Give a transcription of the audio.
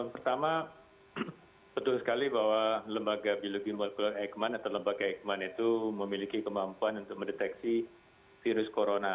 pertama betul sekali bahwa lembaga biologi molekuler eijkman atau lembaga eikman itu memiliki kemampuan untuk mendeteksi virus corona